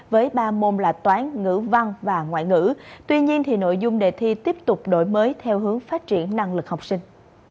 với ba môn là toán ngữ văn và ngoại ngữ tuy nhiên nội dung đề thi tiếp tục đổi mới theo hướng phát triển năng lực học sinh